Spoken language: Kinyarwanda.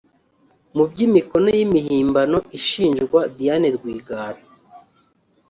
Mu by’imikono y’imihimbano ishinjwa Diane Rwigara